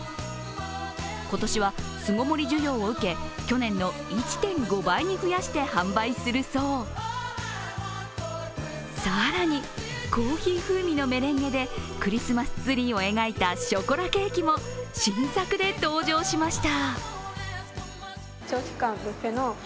今年は巣ごもり需要を受け、去年の１．５倍に増やして販売するそう更に、コーヒー風味のメレンゲでクリスマスツリーを描いたショコラケーキも新作で登場しました。